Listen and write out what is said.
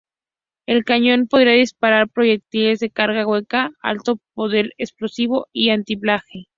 El cañón podía disparar proyectiles de carga hueca, alto poder explosivo y antiblindaje.